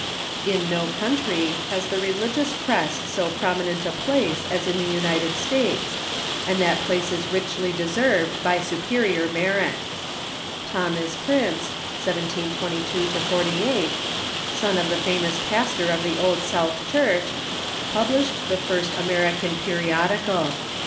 In no country has the religious press so prominent a place as in the United States, and that place is richly deserved by superior merit. Thomas Prince (1722 48), son of PeJiidicais t'^^ famous pastor of the Old South Church, pub lished the first American periodical.